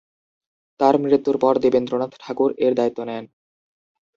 তার মৃত্যুর পর দেবেন্দ্রনাথ ঠাকুর এর দায়িত্ব নেন।